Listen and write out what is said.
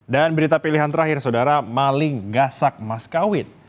dan berita pilihan terakhir saudara maling gasak mas kawin